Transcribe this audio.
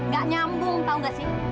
gak nyambung tahu gak sih